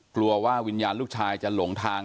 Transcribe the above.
กลัวว่าวิญญาณลูกชายจะหลงทาง